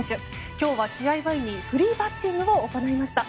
今日は、試合前にフリーバッティングを行いました。